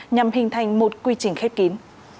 nhằm hình thành một quy trình khép kín